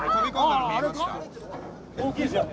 大きいですよね。